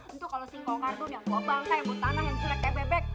itu kalau si kong kardun yang tua bangsa yang buta anak yang sulit kayak bebek